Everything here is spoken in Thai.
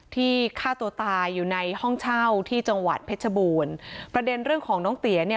ฆ่าตัวตายอยู่ในห้องเช่าที่จังหวัดเพชรบูรณ์ประเด็นเรื่องของน้องเตี๋ยเนี่ย